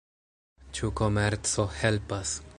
Ĉu komerco helpas?